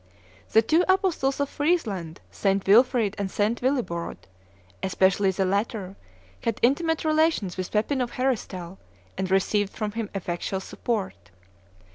The two apostles of Friesland, St. Willfried and St. Willibrod, especially the latter, had intimate relations with Pepin of Heristal, and received from him effectual support.